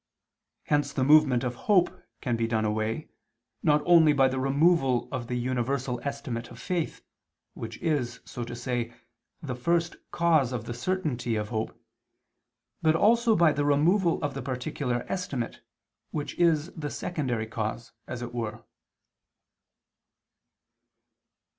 Hence the movement of hope can be done away, not only by the removal of the universal estimate of faith, which is, so to say, the first cause of the certainty of hope, but also by the removal of the particular estimate, which is the secondary cause, as it were.